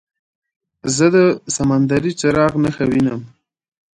زه د سمندري څراغ نښه وینم.